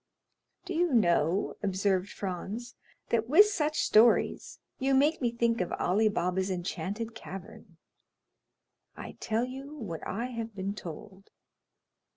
"Do you know," observed Franz, "that with such stories you make me think of Ali Baba's enchanted cavern?" "I tell you what I have been told."